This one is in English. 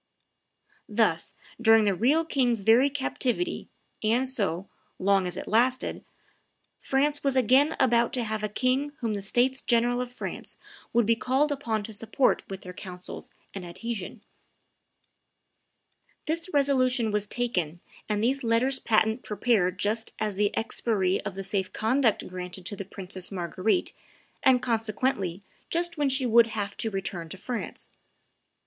Thus, during the real king's very captivity, and so, long as it lasted, France was again about to have a king whom the States General of France would be called upon to support with their counsels and adhesion. [Illustration: Louise of Savoy and Marguerite de Valois 102] This resolution was taken and these letters patent prepared just at the expiry of the safe conduct granted to the Princess Marguerite, and, consequently, just when she would have to return to France.